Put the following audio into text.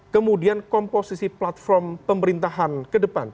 kemudian komposisi platform pemerintahan kedepan